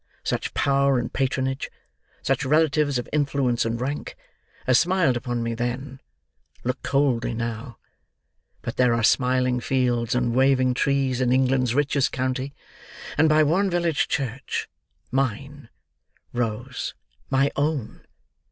Such power and patronage: such relatives of influence and rank: as smiled upon me then, look coldly now; but there are smiling fields and waving trees in England's richest county; and by one village church—mine, Rose, my own!